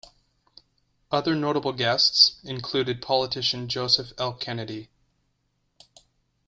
Other notable guests included politician Joseph L. Kennedy.